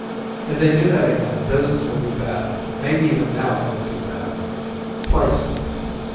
If they do that again, business will be bad; maybe even now it will be bad. Play something!"